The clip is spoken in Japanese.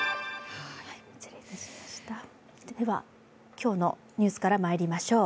今日のニュースからまいりましょう。